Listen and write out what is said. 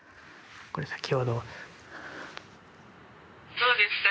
どうですか？